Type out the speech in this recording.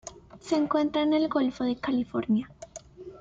Se encuentra en el Golfo de California.